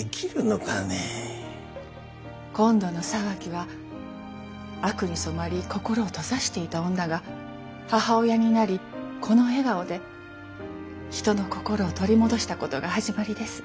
今度の騒ぎは悪に染まり心を閉ざしていた女が母親になり子の笑顔で人の心を取り戻したことが始まりです。